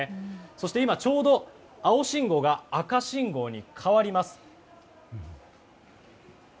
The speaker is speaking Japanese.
そして今ちょうど青信号が赤信号に変わります。